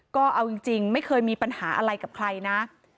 ก็เอาจริงไม่เคยมีปัญหาอะไรกับใครนะ